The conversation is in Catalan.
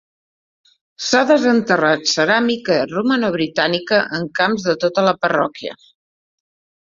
S'ha desenterrat ceràmica romano-britànica en camps de tota la parròquia.